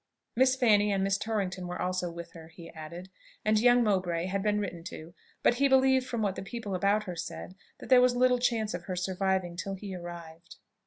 Miss Fanny and Miss Torrington were also with her, he added, and young Mr. Mowbray had been written to; but he believed, from what the people about her said, that there was little chance of her surviving till he arrived.